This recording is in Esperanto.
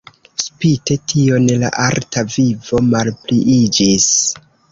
Spite tion la arta vivo malpliiĝis.